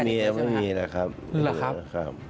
ไม่มีครับไม่มีแล้วครับ